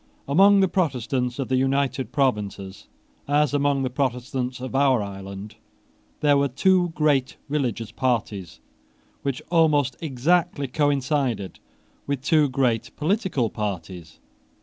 Among the Protestants of the United Provinces, as among the Protestants of our island, there were two great religious parties which almost exactly coincided with two great political parties.